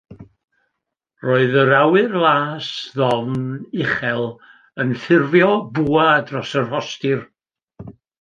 Roedd yr awyr las ddofn, uchel yn ffurfio bwa dros y rhostir.